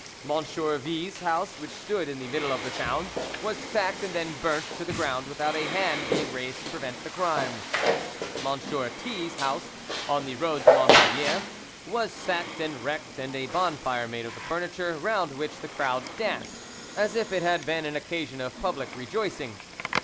M. V______'s house, which stood in the middle of the town, was sacked and then burnt to the ground, without a hand being raised to prevent the crime. M. T______'s house, on the road to Montpellier, was sacked and wrecked and a bonfire made of the furniture, round which the crowd danced; as if it had been an occasion of public rejoicing.